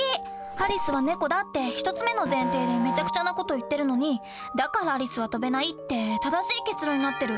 「アリスは猫だ」って１つ目の前提でめちゃくちゃな事言ってるのに「だからアリスは飛べない」って正しい結論になってる。